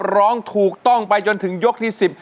ร้องถูกต้องไปจนถึงยกที่๑๐